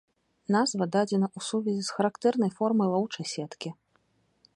Назва дадзена ў сувязі з характэрнай формай лоўчай сеткі.